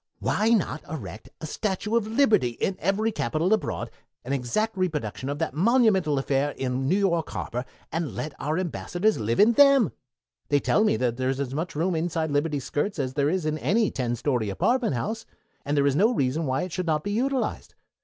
Why not erect a Statue of Liberty in every capital abroad, an exact reproduction of that monumental affair in New York Harbor, and let our Ambassadors live in them? They tell me there's as much room inside Liberty's skirts as there is in any ordinary ten story apartment house, and there is no reason why it should not be utilized.